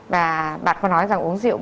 và bạn có nói rằng uống rượu bia